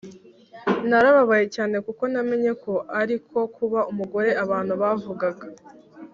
narababaye cyane kuko namenye ko ari ko kuba umugore abantu bavugaga,